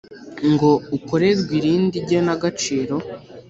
Ngo ukorerwe irindi gena gaciro